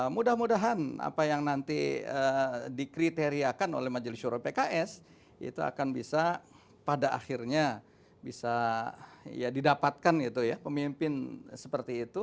mudah mudahan apa yang nanti dikriteriakan oleh majelis syuro pks itu akan bisa pada akhirnya bisa ya didapatkan gitu ya pemimpin seperti itu